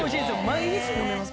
毎日飲めます